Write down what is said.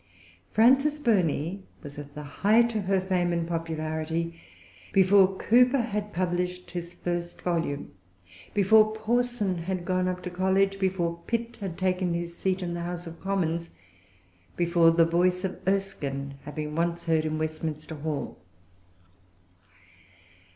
Frances Burney was at the height of fame and popularity before Cowper had published his first volume, before Porson had gone up to college, before Pitt had taken his seat in the[Pg 332] House of Commons, before the voice of Erskine had been once heard in Westminster Hall.